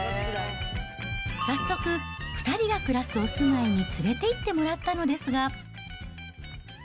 早速、２人が暮らすお住まいに連れていってもらったのですが。